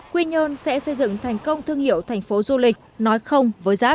quy nhân sẽ xây dựng thành công thương hiệu thành phố du lịch nói không với giáp